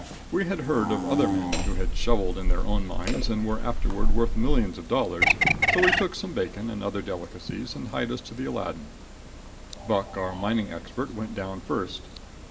We had heard of other men who had shoveled in their own mines and were afterward worth millions of dollars, so we took some bacon and other delicacies and hied us to the Aladdin. Buck, our mining expert, went down first.